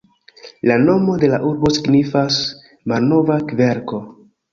La nomo de la urbo signifas "malnova kverko".